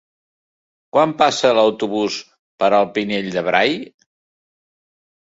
Quan passa l'autobús per el Pinell de Brai?